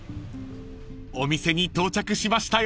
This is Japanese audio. ［お店に到着しましたよ］